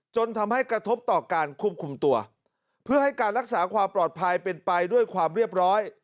จนทำให้กระทบต่อการควบคุมตัวเพื่อให้การรักษาความปลอดภัยเป็นไปด้วยความเรียบร้อย